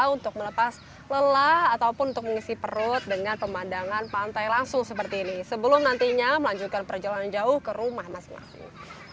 anda bisa menikmati pemandangan pantai dengan pemandangan pantai langsung seperti ini sebelum nantinya melanjutkan perjalanan jauh ke rumah masing masing